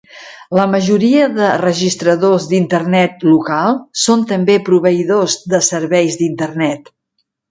La majoria de registradors d'internet local són també proveïdors de serveis d'internet.